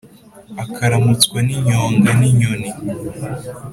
akaramutswa ni nyonga ni nyoni